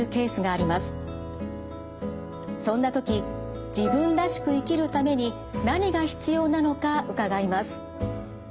そんな時自分らしく生きるために何が必要なのか伺います。